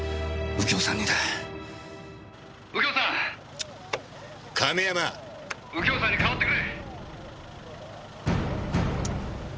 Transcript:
「右京さんに代わってくれ！」